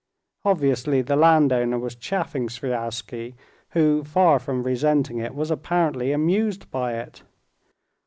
Obviously the landowner was chaffing Sviazhsky, who, far from resenting it, was apparently amused by it.